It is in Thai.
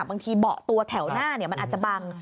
เบาะตัวแถวหน้ามันอาจจะบัง